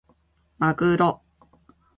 まぐろ